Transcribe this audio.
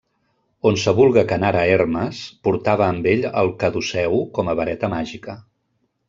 Onsevulga que anara Hermes portava amb ell el caduceu com a vareta màgica.